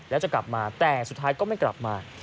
แล้วจะกลับมาแต่สุดท้ายก็ไม่กลับมา